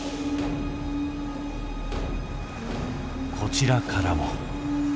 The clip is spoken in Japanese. こちらからも。